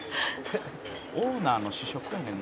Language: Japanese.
「オーナーの試食やねんな」